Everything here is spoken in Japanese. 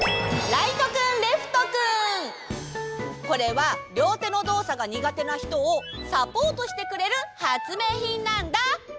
これはりょうてのどうさがにがてなひとをサポートしてくれるはつめいひんなんだ！